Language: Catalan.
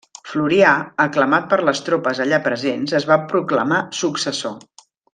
Florià, aclamat per les tropes allà presents es va proclamar successor.